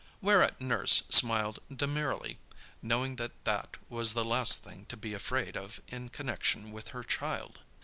Whereat nurse smiled demurely, knowing that that was the last thing to be afraid of in connexion with her child.